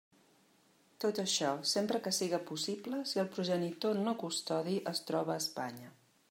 Tot això, sempre que siga possible si el progenitor no custodi es troba a Espanya.